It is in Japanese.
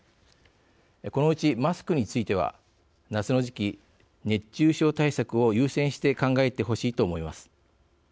このうち、マスクについては夏の時期、熱中症対策を優先して考えてほしいと思います。